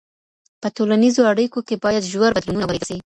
په ټولنیزو اړیکو کي باید ژور بدلونونه ولیدل سي.